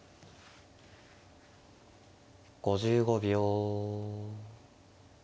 ５５秒。